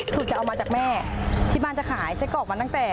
คือจะเอามาจากแม่ที่บ้านจะขายไส้กรอกมาตั้งแต่